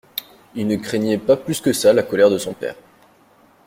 Il ne craignait pas plus que ça la colère de son père.